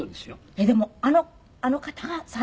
えっでもあの方が最初に？